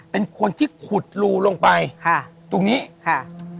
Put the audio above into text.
เป็นคนที่ขุดรูลงไปค่ะตรงนี้ค่ะ